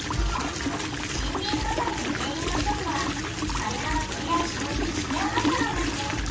森林火災の原因の一つは枯れ葉が擦れ合い生じる自然発火なんだけど。